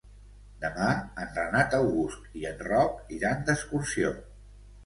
Demà en Renat August i en Roc iran d'excursió.